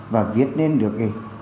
và viết lên được